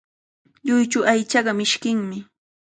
Lluychu aychaqa mishkinmi.